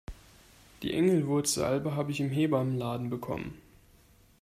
Die Engelwurzsalbe habe ich im Hebammenladen bekommen.